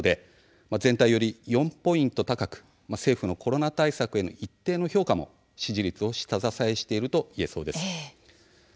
生活が戻るという人たちの内閣支持率はといいますと４６％で全体より４ポイント高く政府のコロナ対策への一定の評価も支持率を下支えしていると言えそうです。